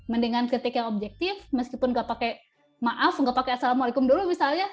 mendingan kritik yang objektif meskipun nggak pakai maaf nggak pakai assalamualaikum dulu misalnya